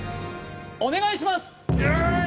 お願いします！